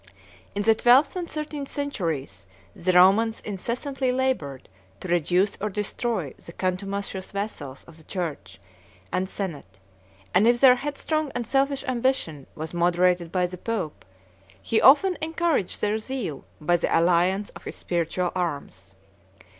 In the twelfth and thirteenth centuries the Romans incessantly labored to reduce or destroy the contumacious vassals of the church and senate; and if their headstrong and selfish ambition was moderated by the pope, he often encouraged their zeal by the alliance of his spiritual arms.